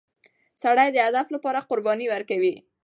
سړی د هدف لپاره قرباني ورکوي